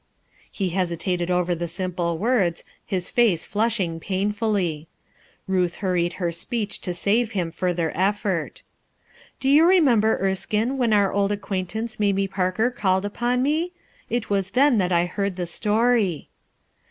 He hesitated over the simple words, his face flushing painfully. Ruth hurried her speech to save him further effort. " Do you remember, Erskine, when our old acquaintance Mamie Parker called upon me? It was then that I heard the story."